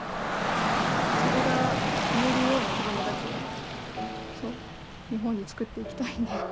だからそれが言えるような子供たちがそう日本につくっていきたいんで。